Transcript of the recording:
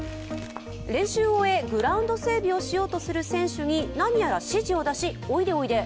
練習を終え、グラウンド整備をしようとする選手に何やら指示を出し、おいでおいで。